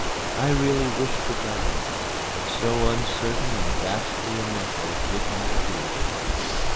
I really wished to die, but so uncertain and ghastly a method did not appeal to me.